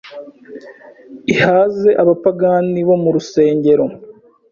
ihaze abapagani bo murusengero,